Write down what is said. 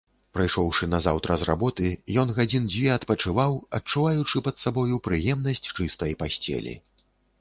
Прыйшоўшы назаўтра з работы, ён гадзін дзве адпачываў, адчуваючы пад сабою прыемнасць чыстай пасцелі.